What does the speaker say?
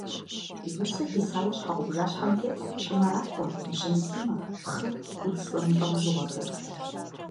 Лусэ хисауэ щхьэгъубжащхьэм тетт щӏымэракӏуэ, бжьын цӏынэ, пхъы, удз зэмылӏэужьыгъуэхэр.